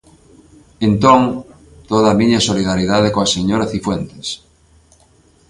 Entón, toda a miña solidariedade coa señora Cifuentes.